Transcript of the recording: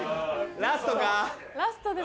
ラストか？